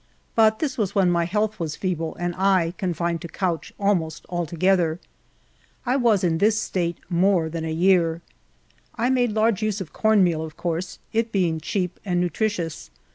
But tliis was wlien my health was feeble, and I confined to couch almost altogether. I was in this state more than a year. I made large use of cornmeal, of course it being cheap and nutritious.